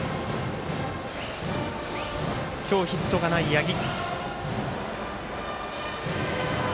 今日ヒットがない八木。